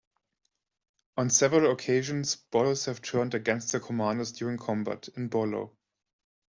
On several occasions, Bolos have turned against their commanders during combat: in Bolo!